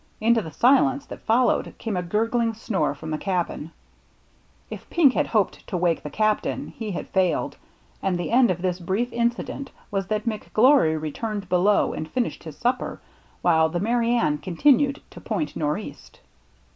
Into the silence that followed came a gurgling snore from the cabin; if Pink had hoped to wake the captain, he had failed. And the end of 122 THE MERRT ANNE this brief incident wa^ that McGlory returned below and finished his supper, while the Merry Anne continued to point nor'east.